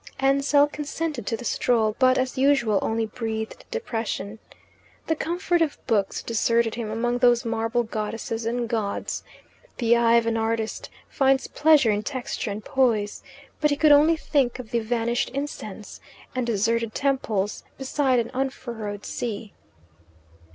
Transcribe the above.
Ansell consented to the stroll, but, as usual, only breathed depression. The comfort of books deserted him among those marble goddesses and gods. The eye of an artist finds pleasure in texture and poise, but he could only think of the vanished incense and deserted temples beside an unfurrowed sea.